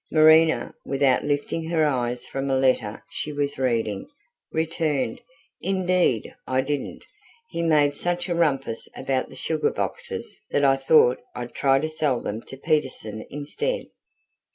Marina, without lifting her eyes from a letter she was reading, returned: "Indeed I didn't. He made such a rumpus about the sugar boxes that I thought I'd try to sell them to Petersen instead."